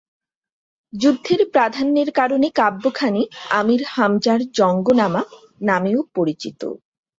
যুদ্ধের প্রাধান্যের কারণে কাব্যখানি ‘আমীর হামজার জঙ্গনামা’ নামেও পরিচিত।